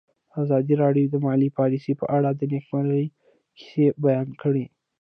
ازادي راډیو د مالي پالیسي په اړه د نېکمرغۍ کیسې بیان کړې.